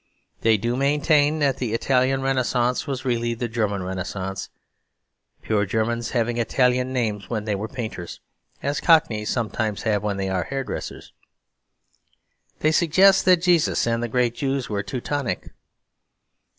They do maintain that the Italian Renaissance was really the German Renaissance, pure Germans having Italian names when they were painters, as cockneys sometimes have when they are hair dressers. They suggest that Jesus and the great Jews were Teutonic.